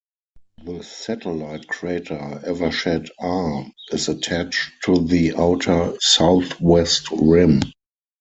The satellite crater Evershed R is attached to the outer southwest rim.